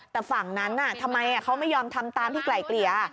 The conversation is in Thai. แต่ฝั่งนั้นทำไมเขาไม่ยอมทำตามที่ไกล่เกลี่ย